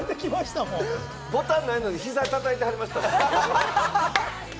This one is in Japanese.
ボタンないのに膝叩いてはりました。